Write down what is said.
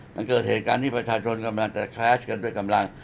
มันเกิดเหตุการณ์ที่ประชาชนกำลังจะแคสกันด้วยกำลัง